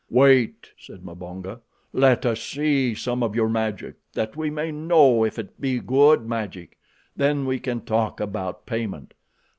"Wait," said Mbonga. "Let us see some of your magic, that we may know if it be good magic. Then we can talk about payment.